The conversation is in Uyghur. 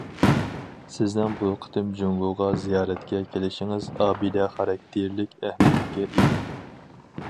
سىزنىڭ بۇ قېتىم جۇڭگوغا زىيارەتكە كېلىشىڭىز ئابىدە خاراكتېرلىك ئەھمىيەتكە ئىگە.